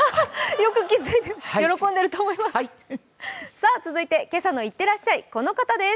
よく気づいて喜んでると思います。